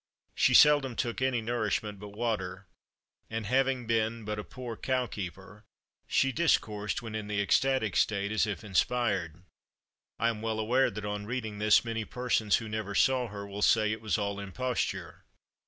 She seldom took any nourishment but water; and, having been but a poor cow keeper, she discoursed, when in the ecstatic state, as if inspired. I am well aware that on reading this, many persons who never saw her, will say it was all imposture.